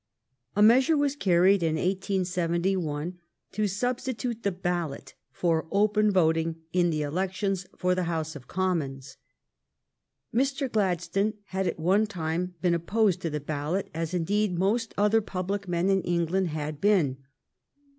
A measure was carried in 1871 to substitute the ballot for open voting in the elections for the House of Commons. Mr. Gladstone had at one time been opposed to the ballot, as, indeed, most other public men in England had been.